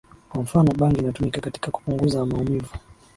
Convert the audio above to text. Kwa mfano bangi inatumika katika kupunguza maumivu